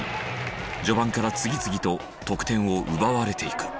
序盤から次々と得点を奪われていく。